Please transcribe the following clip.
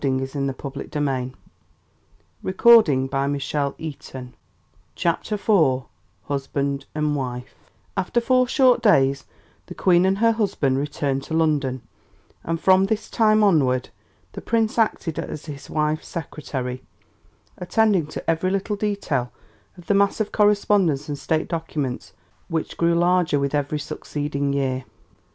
What is in my power to make him happy, I will do." CHAPTER IV: Husband and Wife After four short days the Queen and her husband returned to London, and from this time onward the Prince acted as his wife's secretary, attending to every little detail of the mass of correspondence and State documents which grew larger with every succeeding year.